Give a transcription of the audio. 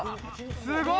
すごい！